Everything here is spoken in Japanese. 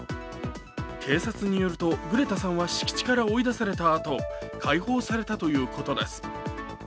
警察によるとグレタさんは敷地から追い出されたあと解放されたということです。